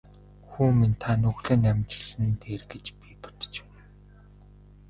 Хүү минь та нүглээ наманчилсан нь дээр гэж би бодож байна.